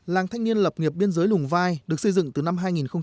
làng thanh niên lập nghiệp biên giới lùng vai được xây dựng từ năm hai nghìn một mươi